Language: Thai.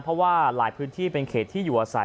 เพราะว่าหลายพื้นที่เป็นเขตที่อยู่อาศัย